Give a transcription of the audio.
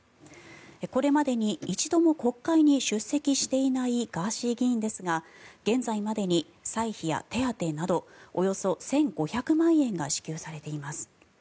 これまでに一度も国会に出席していないガーシー議員ですが現在までに歳費や手当などおよそ１５００万円が支給されています。